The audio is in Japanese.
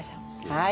はい。